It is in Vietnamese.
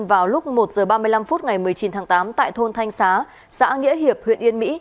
vào lúc một h ba mươi năm phút ngày một mươi chín tháng tám tại thôn thanh xá xã nghĩa hiệp huyện yên mỹ